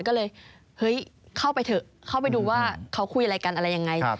ก็เลยเฮ้ยเข้าไปเถอะเข้าไปดูว่าเขาคุยอะไรกันอะไรยังไง